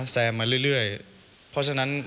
แซมมาเรื่อยเพราะฉะนั้น